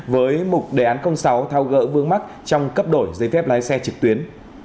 với mục đề án sáu tháo gỡ vương mắc trong cấp đội giấy phép lái xe trực tuyến